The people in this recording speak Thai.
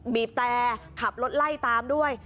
บีบแต่ขับรถไล่ตามด้วย